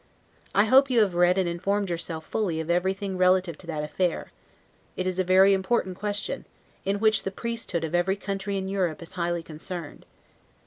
I hope you have read and informed yourself fully of everything relative to that affair; it is a very important question, in which the priesthood of every country in Europe is highly concerned.